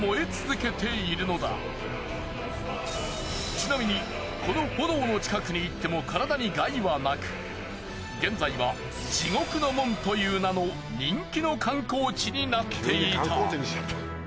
ちなみにこの炎の近くに行っても体に害はなく現在は「地獄の門」という名の人気の観光地になっていた。